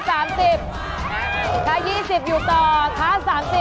ค่า๒๐อยู่ต่อค่า๓๐